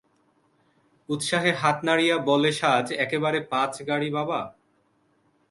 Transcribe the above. উৎসাহে হাত নাড়িয়া বলেসাজ একেবারে পাঁচ গাড়ি বাবা!